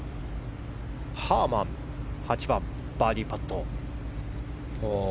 ハーマン、８番バーディーパット。